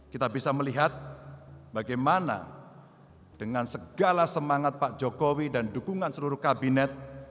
kita bisa melihat bagaimana dengan segala semangat pak jokowi dan dukungan seluruh kabinet